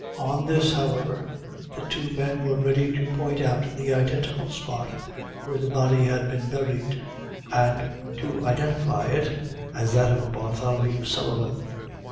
On this, however, the two men were ready to point out the identical spot where the body had been buried, and to identify it as that of Bartholomew Sullivan.